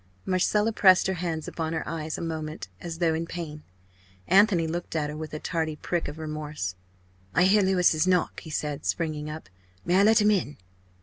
Marcella pressed her hands upon her eyes a moment as though in pain. Anthony looked at her with a tardy prick of remorse. "I hear Louis's knock!" he said, springing up. "May I let him in?"